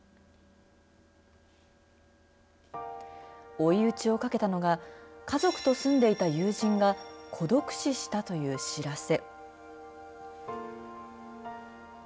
追い打ちをかけたのが家族と住んでいた友人が孤独死したという知らせ。